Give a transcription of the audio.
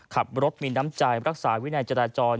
ขับรถมีน้ำใจรักษาวินัยจราจร